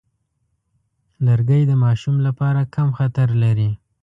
لرګی د ماشوم لپاره کم خطر لري.